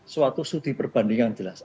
suatu sudi perbanding yang jelas